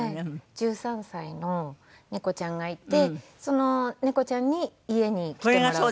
１３歳の猫ちゃんがいてその猫ちゃんに家に来てもらう。